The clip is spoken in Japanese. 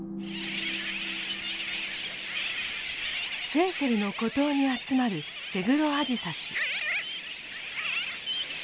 セーシェルの孤島に集まるセグロアジサシ。